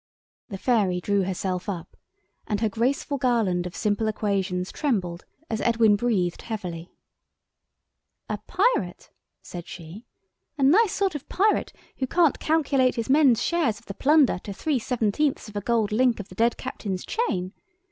The fairy drew herself up, and her graceful garland of simple equations trembled as Edwin breathed heavily. "A Pirate," said she, "a nice sort of pirate who can't calculate his men's share of the plunder to three seventeenths of a gold link of the dead captain's chain!